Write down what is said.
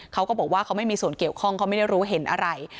เขาก็บอกว่าเขาไม่มีส่วนเกี่ยวข้องเขาไม่ได้รู้เห็นอะไร